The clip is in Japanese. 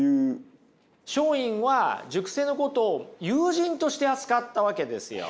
松陰は塾生のことを友人として扱ったわけですよ。